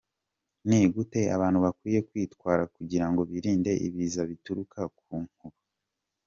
Ni gute abantu bakwiye kwitwara kugirango birinde ibiza bituruka ku nkuba?.